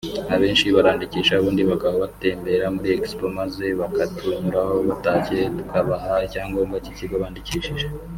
Abenshi barandikisha ubundi bakaba batembera muri expo maze bakatunyuraho batashye tukabaha icyangobwa cy’ikigo bandikishije